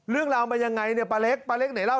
เรื่องราวมายังไงเนี่ยป้าเล็กป้าเล็กไหนเล่า